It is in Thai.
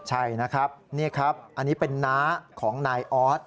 ใช่นะครับนี่ครับอันนี้เป็นน้าของนายออส